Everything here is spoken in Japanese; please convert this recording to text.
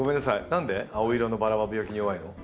何で青色のバラは病気に弱いの？